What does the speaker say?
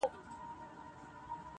چي د ظلم او استبداد څخه یې -